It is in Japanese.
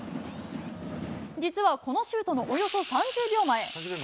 実はこのシュートのおよそ３０秒前。